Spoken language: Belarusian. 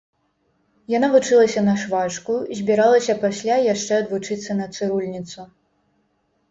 Яна вучылася на швачку, збіралася пасля яшчэ адвучыцца на цырульніцу.